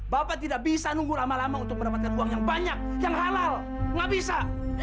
bapak tidak bisa nunggu lama lama untuk mendapatkan uang yang banyak yang halal nggak bisa